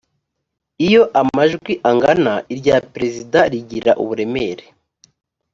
iyo amajwi angana irya perezida rigira uburemere